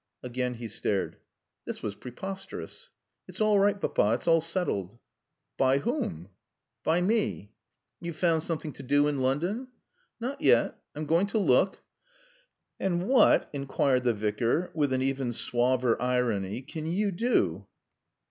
Again he stared. This was preposterous. "It's all right, Papa. It's all settled." "By whom?" "By me." "You've found something to do in London?" "Not yet. I'm going to look " "And what," inquired the Vicar with an even suaver irony, "can you do?"